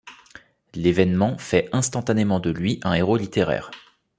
L'événement fait instantanément de lui un héros littéraire.